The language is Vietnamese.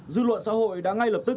dư luận xã hội đã ngay lập tức